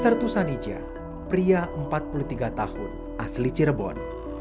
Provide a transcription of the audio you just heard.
sertu sanija pria empat puluh tiga tahun asli cirebon